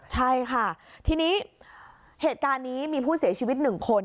ใช่ค่ะทีนี้เหตุการณ์นี้มีผู้เสียชีวิต๑คน